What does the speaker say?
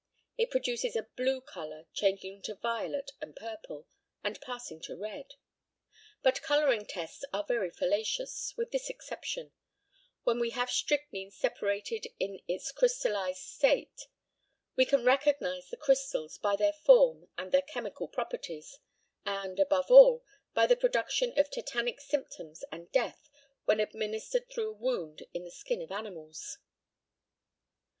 It produces a blue colour, changing to violet and purple, and passing to red; but colouring tests are very fallacious, with this exception when we have strychnine separated in its crystallised state we can recognise the crystals by their form and their chemical properties, and, above all, by the production of tetanic symptoms and death when administered through a wound in the skin of animals.